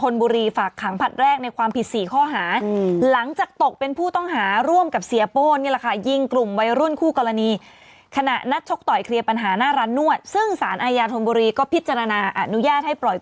นี่ขนาดมีภาพนิ่งมีการได้ภาพไว้ไม่รู้เลย